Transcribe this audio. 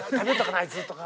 あいつ」とか。